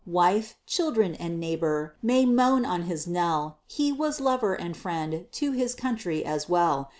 Wife, children, and neighbor, may moan on his knell He was "lover and friend" to his country, as well!